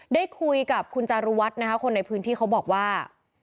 ได้คุยกับคุณจารุวัฒน์นะคะคนในพื้นที่เขาบอกว่า